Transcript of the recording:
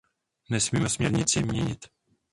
Nesmíme směrnici měnit.